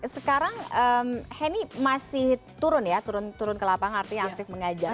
sekarang henny masih turun ya turun turun ke lapangan artinya aktif mengajar